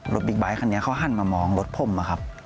บิ๊กไบท์คันนี้เขาหันมามองรถผมอะครับ